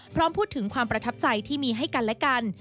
พร้อมพูดถึงความประทับใจที่มีให้กันและกัน